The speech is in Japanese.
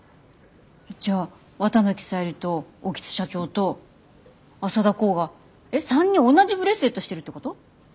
じゃあ綿貫さゆりと興津社長と浅田航が３人同じブレスレットしてるってこと？